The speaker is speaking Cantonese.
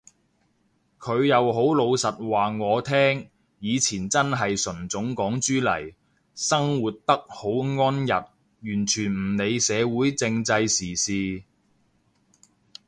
佢又好老實話我聽，以前真係純種港豬嚟，生活得好安逸，完全唔理社會政制時事